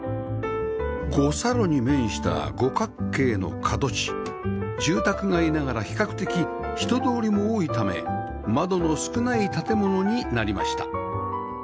五差路に面した五角形の角地住宅街ながら比較的人通りも多いため窓の少ない建物になりました